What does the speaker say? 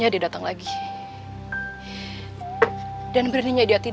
kau bratel kedai